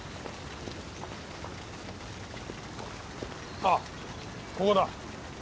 ああここだ。